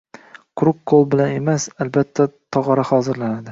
Quruq qo`l bilan emas, albatta, tog`ora hozirlanadi